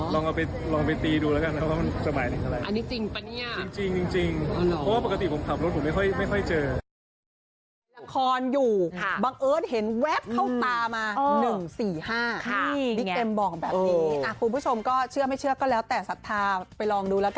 ลองไปตีดูแล้วกันว่ามันจะหมายเป็นอะไร